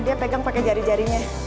dia pegang pakai jari jarinya